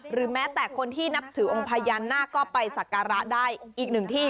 หรือแม้แต่คนที่นับถือองค์พญานาคก็ไปสักการะได้อีกหนึ่งที่